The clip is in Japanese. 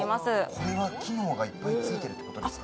これは機能がいっぱいついているということですか？